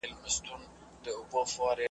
د هرات لرغونی ښار .